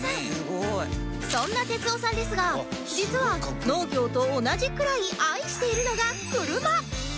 そんな哲夫さんですが実は農業と同じくらい愛しているのが車